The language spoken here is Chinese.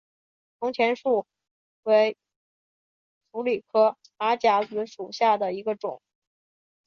铜钱树为鼠李科马甲子属下的一个种。